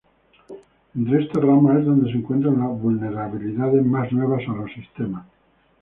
Entre esta rama es donde se encuentran las vulnerabilidades más nuevas a los sistemas.